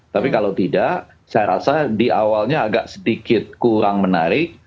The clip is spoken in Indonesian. tapi kalau tidak saya rasa di awalnya agak sedikit kurang menarik